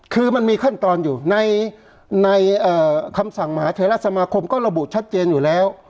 คือมันมีขั้นตอนอยู่ในคำสั่งมหาเทราสมาคมก็ระบุชัดเจนอยู่แล้ว